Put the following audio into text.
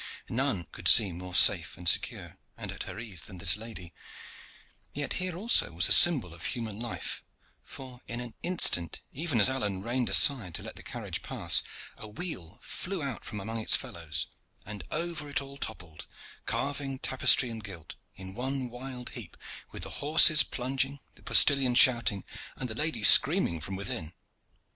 None could seem more safe and secure and at her ease than this lady, yet here also was a symbol of human life, for in an instant, even as Alleyne reined aside to let the carriage pass, a wheel flew out from among its fellows, and over it all toppled carving, tapestry and gilt in one wild heap, with the horses plunging, the postilion shouting, and the lady screaming from within.